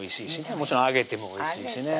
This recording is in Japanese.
もちろん揚げてもおいしいしね